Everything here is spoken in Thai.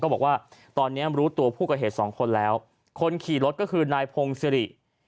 บอกว่าตอนนี้รู้ตัวผู้ก่อเหตุสองคนแล้วคนขี่รถก็คือนายพงศิริ